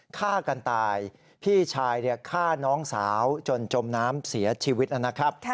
ฆ่ากันตายพี่ชายฆ่าน้องสาวจนจมน้ำเสียชีวิตนะครับ